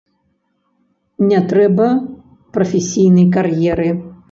Не трэба прафесійнай кар'еры.